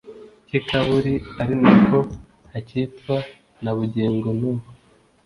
cy i Kabuli ari na ko hacyitwa na bugingo n ubu